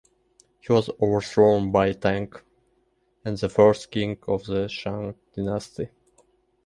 He was overthrown by Tang, the first king of the Shang dynasty.